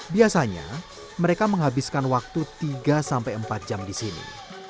biasanya mereka menghabiskan waktu tiga sampai empat jam di sini